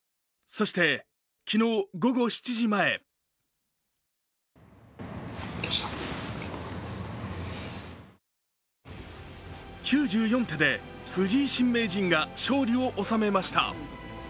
そして昨日午後７時前９４手で藤井新名人が勝利を収めました。